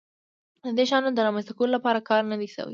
د دې شیانو د رامنځته کولو لپاره کار نه دی شوی.